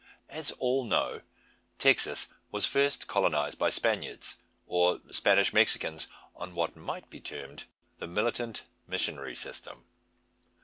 As all know, Texas was first colonised by Spaniards, or Spanish Mexicans, on what might be termed the "militant missionary system."